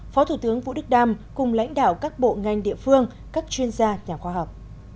phó thủ tướng vũ đức đam cùng lãnh đạo các bộ ngành địa phương các chuyên gia nhà khoa học